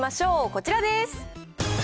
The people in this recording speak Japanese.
こちらです。